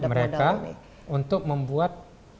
mereka untuk membuat